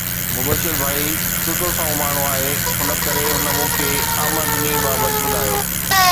مبشر ڀائي سڌو سنئون ماڻهو آهي، ان ڪري هن مون کي آمدني بابت ٻڌايو